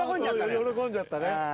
喜んじゃったね。